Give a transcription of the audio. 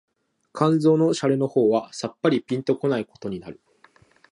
肝腎の洒落の方はさっぱりぴんと来ないことになる